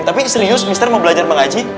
tapi serius mister mau belajar mengaji